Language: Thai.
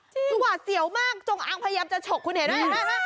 คือหวาดเสียวมากจงอางพยายามจะฉกคุณเห็นไหม